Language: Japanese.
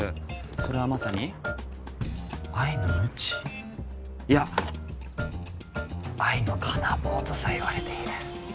それはまさに愛のムチいや愛の金棒とさえ言われている。